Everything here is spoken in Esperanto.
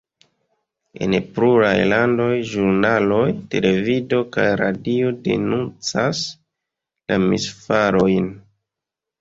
En pluraj landoj ĵurnaloj, televido kaj radio denuncas la misfarojn.